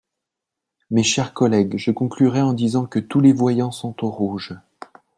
Mes chers collègues, je conclurai en disant que tous les voyants sont au rouge.